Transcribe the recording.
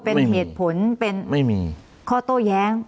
เป็นเหตุผลคอโตแย้ง